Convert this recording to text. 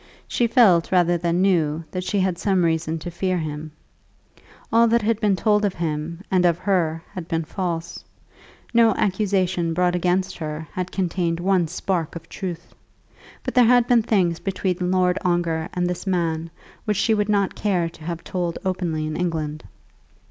She felt rather than knew that she had some reason to fear him. All that had been told of him and of her had been false. No accusation brought against her had contained one spark of truth. But there had been things between Lord Ongar and this man which she would not care to have told openly in England.